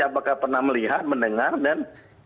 apakah pernah melihat mendengar dan